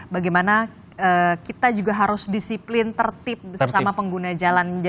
bagaimana kita juga harus disiplin tertib sesama pengguna jalan jalan